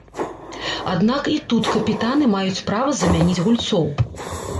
Аднак і тут капітаны маюць права замяніць гульцоў.